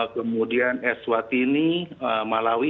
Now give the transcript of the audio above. kemudian eswatini malawi